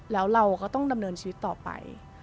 แล้วเราก็ต้องดำเนินชีวิตต่อไป